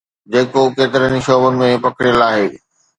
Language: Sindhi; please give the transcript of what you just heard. جيڪو ڪيترن ئي شعبن ۾ پکڙيل آهي.